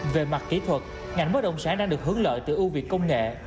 về mặt kỹ thuật ngành bất động sản đang được hướng lợi từ ưu việt công nghệ